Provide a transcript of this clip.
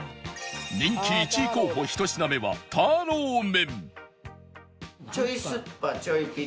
人気１位候補１品目はターロー麺